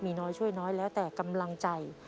มีน้อยช่วยน้อยแล้วแต่กำลังใจ